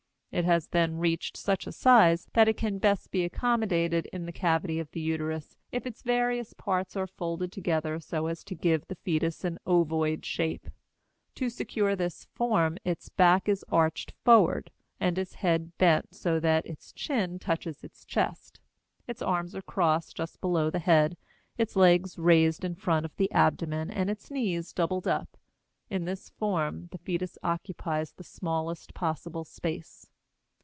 It has then reached such a size that it can best be accommodated in the cavity of the uterus if its various parts are folded together so as to give the fetus an ovoid shape. To secure this form its back is arched forward, and its head bent so that its chin touches its chest; its arms are crossed just below the head, its legs raised in front of the abdomen, and its knees doubled up. In this form the fetus occupies the smallest possible space.